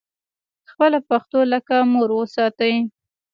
خپله پښتو لکه مور وساتئ